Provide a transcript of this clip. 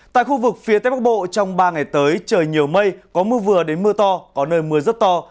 tại khu vực phía tây bắc bộ trong ba ngày tới trời nhiều mây có mưa vừa đến mưa to có nơi mưa rất to